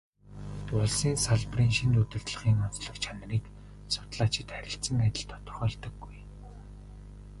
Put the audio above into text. Улсын салбарын шинэ удирдлагын онцлог чанарыг судлаачид харилцан адил тодорхойлдоггүй.